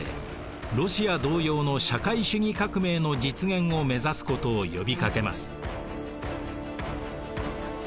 ロシア同様の社会主義革命の実現を目指すことを呼びかけます。